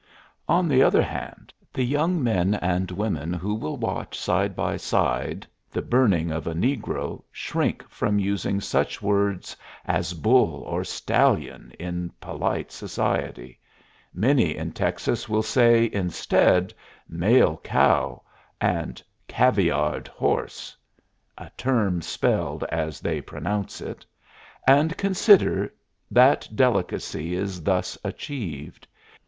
On the other hand, the young men and women who will watch side by side the burning of a negro shrink from using such words as bull or stallion in polite society; many in Texas will say, instead, male cow and caviard horse (a term spelled as they pronounce it), and consider that delicacy is thus achieved.